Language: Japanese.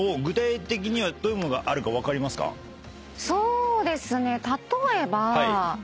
そうですね。